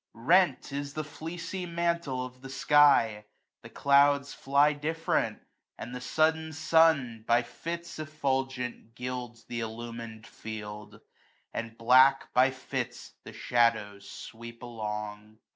35 Rent is the fleecy mantle of the sky ; The clouds fly different ; and the sudden sun By fits effulgent gilds th' illumin d field, And black by fits the shadows sweep along.